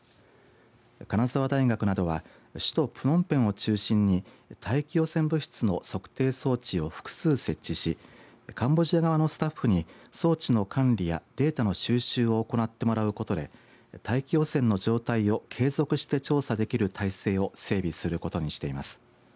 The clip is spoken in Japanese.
金沢大学などは首都プノンペンを中心に大気汚染物質の測定装置を複数設置しカンボジア側のスタッフに装置の管理やデータの収集を行ってもらうことで大気汚染の状態を継続して調査できる態勢を整備することにしています。